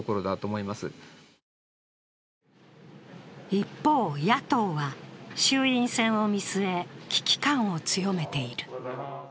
一方、野党は衆院選を見据え危機感を強めている。